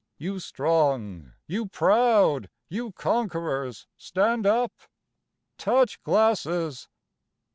You strong, you proud, you conquerors — stand up! Touch glasses